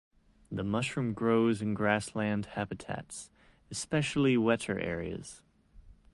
The mushroom grows in grassland habitats, especially wetter areas.